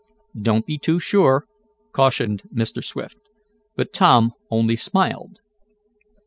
"Don't be too sure," cautioned Mr. Swift, but Tom only smiled.